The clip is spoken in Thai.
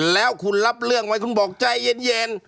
แล้วคุณรับเรื่องไว้คุณบอกใจเย็น